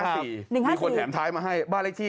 ค่ะ๑๕๔มีคนแถมท้ายมาให้บ้านเร็กที่๑๕๔